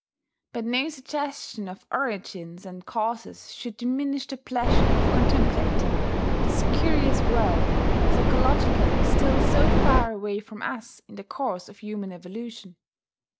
But no suggestion of origins and causes should diminish the pleasure of contemplating this curious world, psychologically still so far away from us in the course of human evolution.